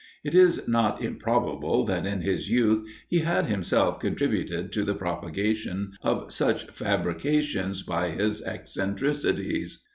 It is not improbable that in his youth he had himself contributed to the propagation of such fabrications by his eccentricities.